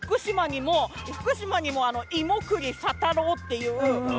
福島にも「いもくり佐太郎」っていう。